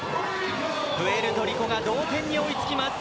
プエルトリコが同点に追いつきます。